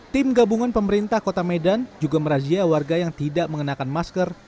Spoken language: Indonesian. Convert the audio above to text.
tim gabungan pemerintah kota medan juga merazia warga yang tidak mengenakan masker